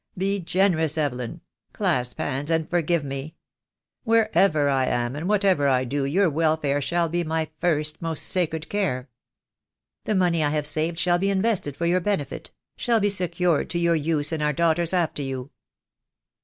Be generous, Evelyn. Clasp hands and forgive me. Wherever I am and what ever I do your welfare shall be my first, most sacred care. The money I have saved shall be invested for your benefit — shall be secured to your use and our daughter's after you."